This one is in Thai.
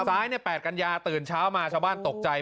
ซ้าย๘กัญญาตื่นเช้ามาชาวบ้านตกใจ